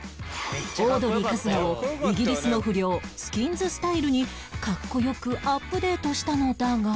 オードリー春日をイギリスの不良スキンズスタイルにかっこよくアップデートしたのだが